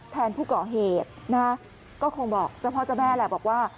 แทนผู้ก่อเหตุนะก็คงบอกเจ้าพ่อเจ้าแม่แหละบอกว่า